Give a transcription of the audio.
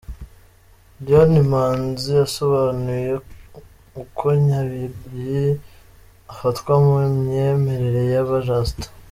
Lion Imanzi yasobanuye uko Nyabingi afatwa mu myemerere y’aba-Rasta.